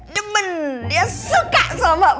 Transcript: jemen dia suka sama